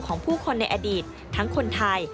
ของผู้คนในอดีตทั้งคนไทย